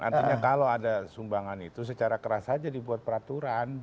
artinya kalau ada sumbangan itu secara keras saja dibuat peraturan